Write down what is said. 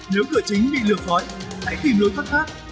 nếu cửa chính bị lược khói hãy tìm lối thoát thoát